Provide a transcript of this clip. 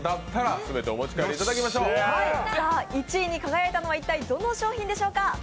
１位に輝いたのはどの商品でしょうか？